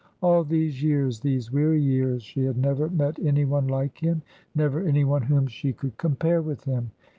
All these years these weary years she had never met any one like him never any one whom she could compare with him.